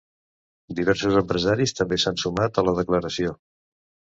Diversos empresaris també s’han sumat a la declaració.